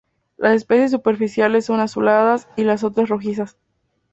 Las especies superficiales son azuladas, y las otras rojizas.